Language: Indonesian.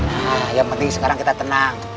nah yang penting sekarang kita tenang